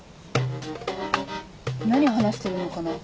何話してるのかな？